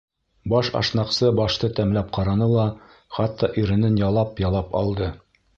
Баш ашнаҡсы ашты тәмләп ҡараны ла хатта иренен ялап-ялап алды.